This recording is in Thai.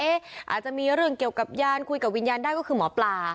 อาจจะมีเรื่องเกี่ยวกับยานคุยกับวิญญาณได้ก็คือหมอปลา